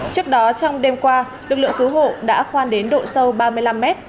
trước đó trong đêm qua lực lượng cứu hộ đã khoan đến độ sâu ba mươi năm mét